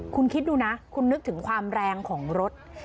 คุณคิดดูนะคุณนึกถึงความแรงของรถ